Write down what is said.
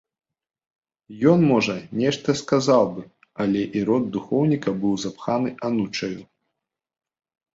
Ён, можа, нешта сказаў бы, але і рот духоўніка быў запханы анучаю.